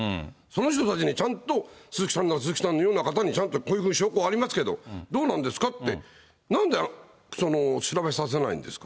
その人たちにちゃんと、鈴木さんなら鈴木さんのような方に、ちゃんとこういうふうに証拠ありますけど、どうなんですかって、本当ですよね。